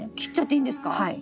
はい。